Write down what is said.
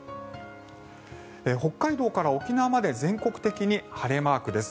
北海道から沖縄まで全国的に晴れマークです。